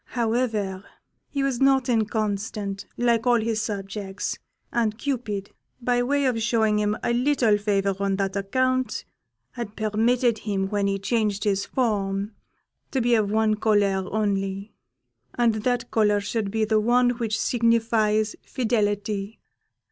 However, he was not inconstant, like all his subjects, and Cupid, by way of showing him a little favour on that account, had permitted him, when he changed his form, to be of one colour only, and that colour should be the one which signifies Fidelity.